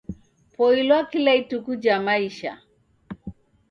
Poilwa kila ituku ja maisha.